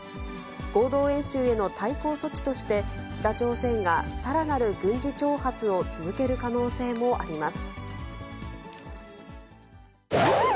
合同演習への対抗措置として、北朝鮮がさらなる軍事挑発を続ける可能性もあります。